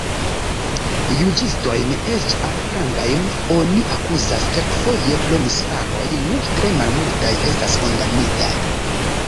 Juĝistojn, eĉ altrangajn, oni akuzas kelkfoje pro misfaroj: nur tre malmultaj estas kondamnitaj.